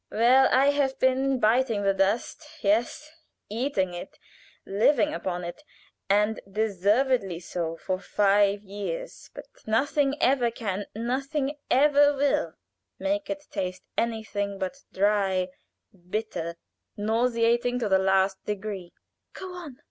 Well, I have been biting the dust yes, eating it, living upon it, and deservedly so, for five years; but nothing ever can, nothing ever will, make it taste anything but dry, bitter, nauseating to the last degree." "Go on!"